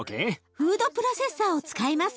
フードプロセッサーを使います。